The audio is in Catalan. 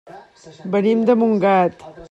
Venim de Montgat.